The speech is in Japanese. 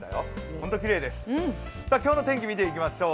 ホントきれいです、今日の天気見ていきましょう。